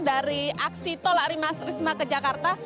dari aksi tol ari mas risma ke jakarta